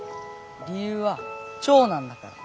理由は長男だから。